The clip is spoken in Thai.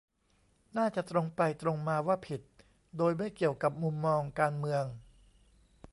น่าจะตรงไปตรงมาว่าผิด โดยไม่เกี่ยวกับมุมมองการเมือง